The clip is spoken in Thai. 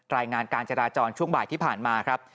รายงานการจราจรช่วงบ่ายที่ผ่านมาครับ